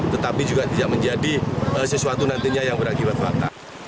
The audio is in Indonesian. tetapi juga tidak menjadi sesuatu nantinya yang berakibat fatal